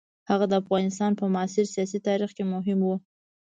هغه د افغانستان په معاصر سیاسي تاریخ کې مهم وو.